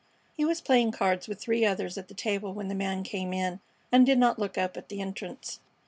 He was playing cards with three others at the table when the man came in, and did not look up at the entrance.